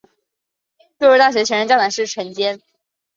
贵州大学前任校长是陈坚。